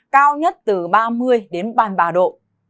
cao nhất từ ba mươi đến ba mươi ba độ